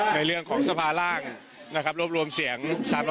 ในเรื่องของสภาล่างโรบรวมเสียง๓๑๔